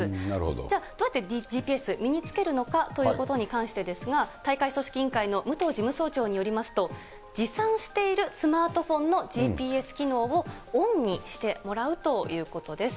じゃあ、どうやってＧＰＳ身につけるのかということですが、大会組織委員会の武藤事務総長によりますと、持参しているスマートフォンのＧＰＳ機能をオンにしてもらうということです。